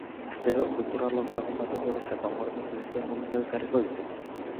Astero, kultur arloko lagun batek bere zakuan gordetzen dituen gomendioak ekarriko ditu.